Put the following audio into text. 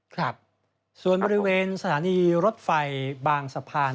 ครับส่วนบริเวณสถานีรถไฟบางสะพาน